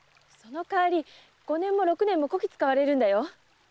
その代わり五年も六年もこき使われるんだよ。